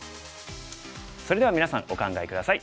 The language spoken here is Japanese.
それではみなさんお考え下さい。